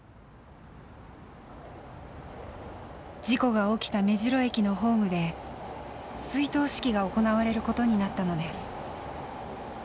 事故が起きた目白駅のホームで追悼式が行われることになったのです。